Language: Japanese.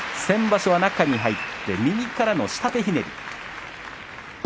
先場所は、中に入って右からの下手ひねり。